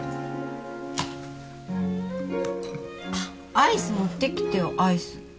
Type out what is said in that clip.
アイス持ってきてよアイス。